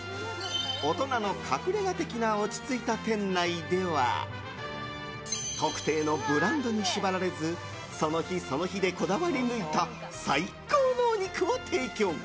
大人の隠れ家的な落ち着いた店内では特定のブランドに縛られずその日その日でこだわり抜いた最高のお肉を提供。